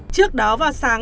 trước đó vào sáng